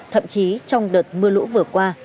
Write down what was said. thậm chí trong đợt mưa lũ vừa qua